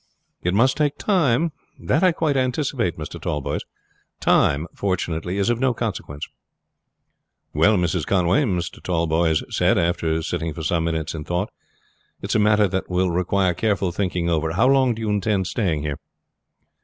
"It must take time, that I quite anticipate, Mr. Tallboys. Time, fortunately, is of no consequence." "Well, Mrs. Conway," Mr. Tallboys said, after sitting for some minutes in thought, "it is a matter that will require careful thinking over. How long do you intend staying here?"